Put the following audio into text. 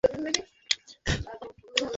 অনুভূতি, বাপ।